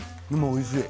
おいしい。